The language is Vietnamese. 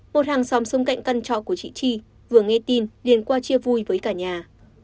một hàng xóm xung cạnh căn trọ của chị tri vừa nghe tin liên qua chia vui với cả nhà